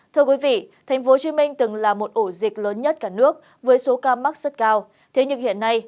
thưa quý vị tp hcm từng là một ổ dịch lớn nhất cả nước với số ca mắc rất cao thế nhưng hiện nay